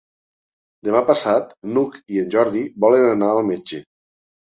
Demà passat n'Hug i en Jordi volen anar al metge.